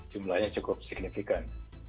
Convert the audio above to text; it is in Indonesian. jumlahnya cukup signifikan